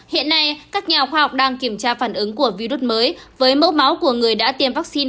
hiện nay các nhà khoa học đang kiểm tra phản ứng của virus mới với mẫu máu của người đã tiêm vaccine